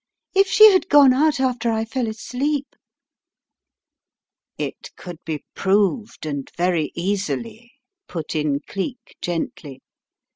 If she had gone out after I fell asleep " "It could be proved and very easily," put in Cleek, gently.